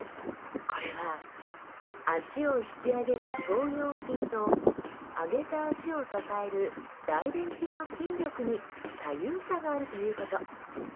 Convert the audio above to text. これは脚を引き上げる腸腰筋と上げた脚を支える大臀筋の筋力に左右差があるということ。